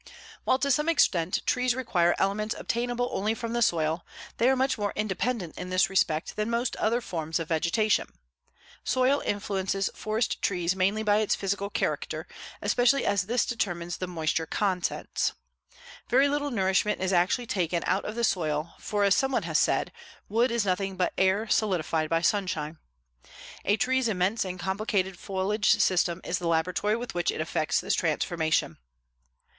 While to some extent trees require elements obtainable only from the soil, they are more independent in this respect than most other forms of vegetation. Soil influences forest trees mainly by its physical character, especially as this determines the moisture contents. Very little nourishment is actually taken out of the soil for, as someone has said, wood is nothing but air solidified by sunshine. A tree's immense and complicated foliage system is the laboratory with which it effects this transformation.